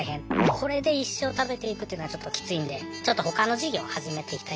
これで一生食べていくというのはちょっときついんでちょっと他の事業を始めていきたいなっていう。